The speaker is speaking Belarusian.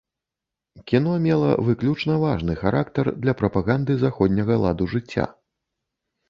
Кіно мела выключна важны характар для прапаганды заходняга ладу жыцця.